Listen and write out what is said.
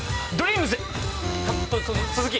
続き！